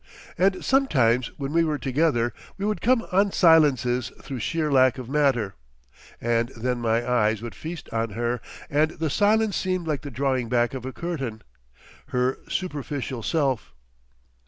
And sometimes when we were together, we would come on silences through sheer lack of matter, and then my eyes would feast on her, and the silence seemed like the drawing back of a curtain—her superficial self.